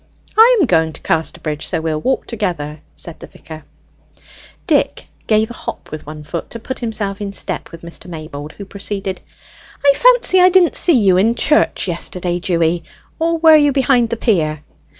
"I am going to Casterbridge, so we'll walk together," the vicar said. Dick gave a hop with one foot to put himself in step with Mr. Maybold, who proceeded: "I fancy I didn't see you at church yesterday, Dewy. Or were you behind the pier?"